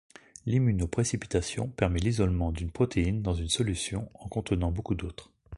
L'immunoprécipitation permet l'isolement d'une protéine dans une solution en contenant beaucoup d'autres.